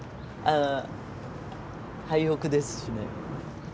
廃屋ですしね。